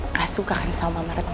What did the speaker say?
gak suka kan sama mama retno